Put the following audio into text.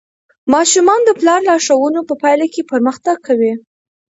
ماشومان د پلار د لارښوونو په پایله کې پرمختګ کوي.